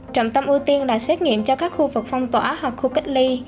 trọng tâm ưu tiên là xét nghiệm cho các khu vực phong tỏa hoặc khu cách ly